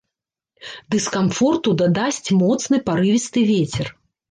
Дыскамфорту дадасць моцны парывісты вецер.